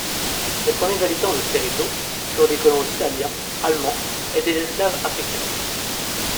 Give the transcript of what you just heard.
Les premiers habitants de Cerrito furent des colons italiens, allemands et des esclaves africains.